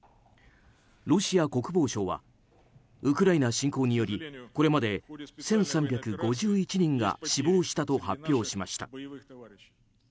ロシア国防省はウクライナ侵攻によりこれまで１３５１人が死亡したと発表しました。